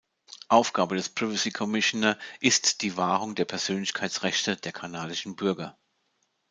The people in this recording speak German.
Aufgabe des Privacy Commissioner ist die Wahrung der Persönlichkeitsrechte der kanadischen Bürger.